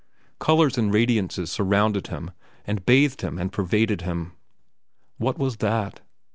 Colors and radiances surrounded him and bathed him and pervaded him. What was that?